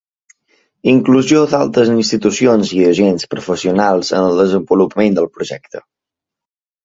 Inclusió d'altres institucions i agents professionals en el desenvolupament del projecte.